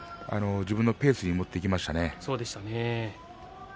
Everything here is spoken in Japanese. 自分のペースに持っていきましたね。